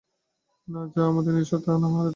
না, যাহা আমাদের নিজস্ব, তাহা আমরা হারাইতে পারি না।